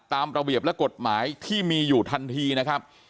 ตามระเบียบและกฎหมายที่มีอยู่ทันทีนะครับ